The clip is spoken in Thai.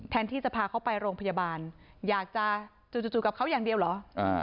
ที่จะพาเขาไปโรงพยาบาลอยากจะจู่กับเขาอย่างเดียวเหรอ